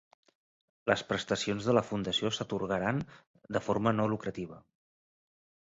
Les prestacions de la fundació s'atorgaran de forma no lucrativa.